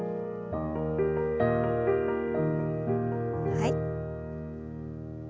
はい。